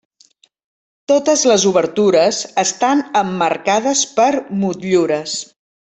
Totes les obertures estan emmarcades per motllures.